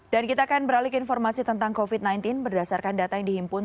dan kita akan beralik informasi tentang covid sembilan belas berdasarkan data yang dihimpun